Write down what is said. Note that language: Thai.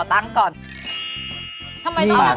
ตั้งก่อน